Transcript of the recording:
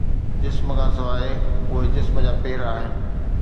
جسم کان سواءِ، اهي جسم جا پير آهن